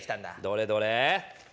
どれどれ。